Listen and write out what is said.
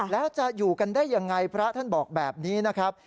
แล้วจะอยู่กันได้ยังไงพระท่านบอกแบบนี้นะครับ